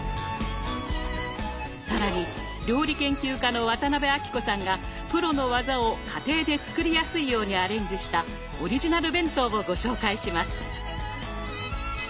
更に料理研究家の渡辺あきこさんがプロの技を家庭で作りやすいようにアレンジしたオリジナル弁当をご紹介します。